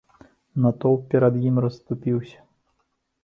Натоўп перад ім расступіўся.